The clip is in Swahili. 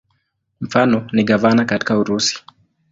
Mfano ni gavana katika Urusi.